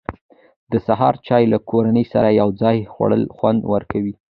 د سهار چای له کورنۍ سره یو ځای خوړل خوند ورکوي.